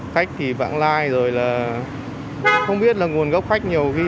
khách thì vãng lai rồi là không biết là nguồn gốc khách nhiều